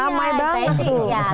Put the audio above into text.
ramai banget tuh